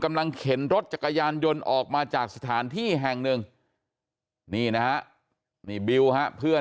เข็นรถจักรยานยนต์ออกมาจากสถานที่แห่งหนึ่งนี่นะฮะนี่บิวฮะเพื่อน